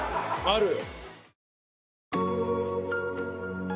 ある。